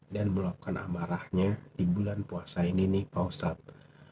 dan melakukan amarahnya di bulan puasa ini nih pak ustadz